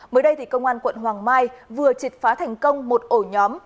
mới đây thì công an quận hoàng mai vừa trịt phá thành công một ổ nhóm